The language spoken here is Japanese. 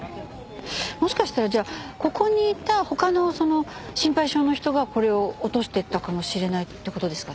もしかしたらじゃあここにいた他の心配性の人がこれを落としていったかもしれないって事ですかね？